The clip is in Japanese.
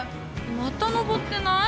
また上ってない？